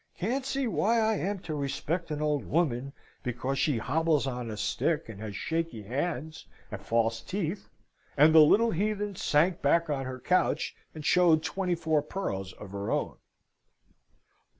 "Can't see why I am to respect an old woman, because she hobbles on a stick, and has shaky hands, and false teeth!" And the little heathen sank back on her couch, and showed twenty four pearls of her own.